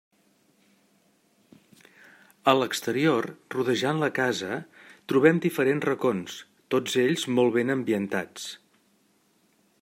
A l'exterior, rodejant la casa, trobem diferents racons, tots ells molt ben ambientats.